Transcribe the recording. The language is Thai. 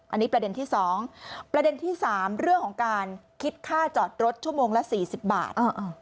อันนี้ประเด็นที่๒ประเด็นที่๓เรื่องของการคิดค่าจอดรถชั่วโมงละ๔๐บาท